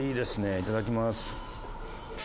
いただきます